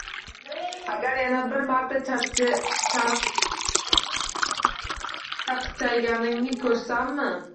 Agar yana bir marta chaqchayganingni ko‘rsammi?